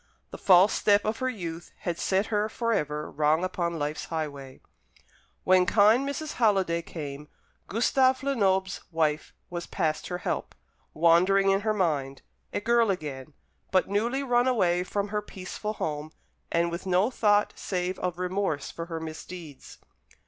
The false step of her youth had set her for ever wrong upon life's highway. When kind Mrs. Halliday came, Gustave Lenoble's wife was past her help; wandering in her mind; a girl again, but newly run away from her peaceful home; and with no thought save of remorse for her misdeeds.